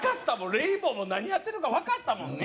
レインボーも何やってるか分かったもんね